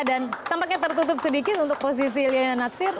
dan tampaknya tertutup sedikit untuk posisi liana nadsir